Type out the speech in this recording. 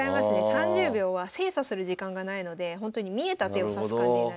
３０秒は精査する時間がないのでほんとに見えた手を指す感じになります。